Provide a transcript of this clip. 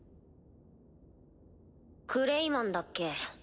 クレイマンだっけ？